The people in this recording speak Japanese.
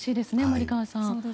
森川さん。